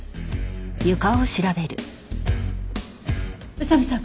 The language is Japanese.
宇佐見さん